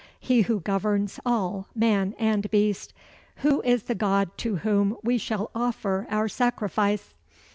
He who governs all, man and beast. Who is the God to whom we shall offer our sacrifice?